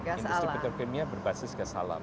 industri petro kemia berbasis gas alam